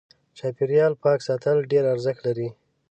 چاپېريال پاک ساتل ډېر ارزښت لري.